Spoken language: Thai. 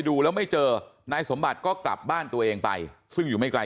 ดูแล้วไม่เจอนายสมบัติก็กลับบ้านตัวเองไปซึ่งอยู่ไม่ไกล